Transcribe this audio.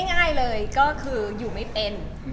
แง่เลยอยู่ไม่เป็น